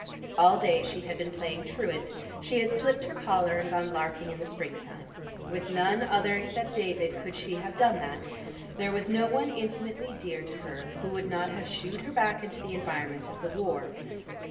All day she had been playing truant; she had slipped her collar, and gone larking in the spring time. With none other except David, could she have done that; there was no one intimately dear to her who would not have shoo'd her back into the environment of the war.